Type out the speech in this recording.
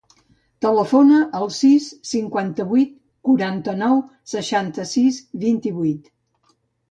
Telefona al sis, cinquanta-vuit, quaranta-nou, seixanta-sis, vint-i-vuit.